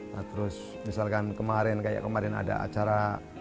nah terus misalkan kemarin kayak kemarin ada acara